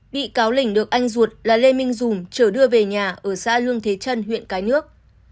bị cáo lình được anh ruột là lê minh dùng trở đưa về nhà ở xã lương thế trân huyện cái nước